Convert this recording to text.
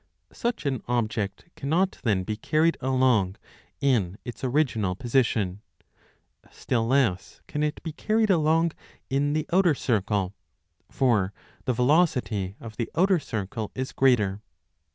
Such an object cannot then be carried along in its original position ; still less can it be carried along in the outer circle, for the velocity of the outer circle is greater.